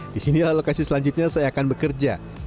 di sini adalah lokasi selanjutnya saya akan bekerja